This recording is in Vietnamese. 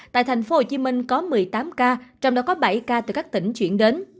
tại tp hcm có một mươi tám ca trong đó có bảy ca từ các tỉnh chuyển đến